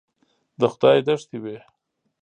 د خدای دښتې وې.